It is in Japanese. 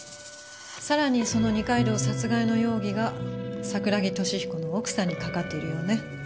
さらにその二階堂殺害の容疑が桜木敏彦の奥さんにかかっているようね。